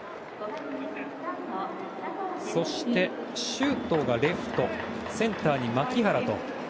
そして周東がレフトセンターに牧原と。